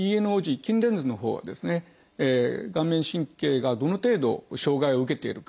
筋電図のほうは顔面神経がどの程度障害を受けているか。